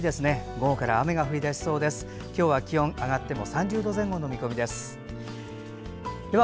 午後から雨が降り出しそうです。